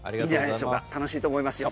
楽しいと思いますよ。